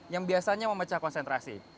yang biasanya memecah konsentrasi